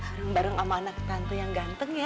bareng bareng sama anak tantu yang ganteng ya